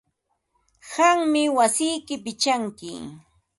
Qammi wasiyki pichanki.